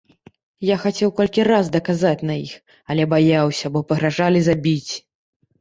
Я хацеў колькі раз даказаць на іх, але баяўся, бо пагражалі забіць.